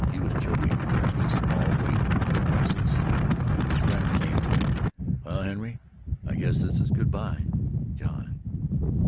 He was choking during this small wait for the crisis. His friend came to him. "Well, Henry, I guess this is good by John."